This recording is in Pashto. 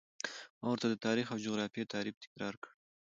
ما ورته د تاریخ او جغرافیې تعریف تکرار کړ.